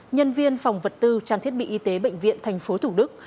nhân viên phòng vật tư trang thiết bị y tế bệnh viện tp thủ đức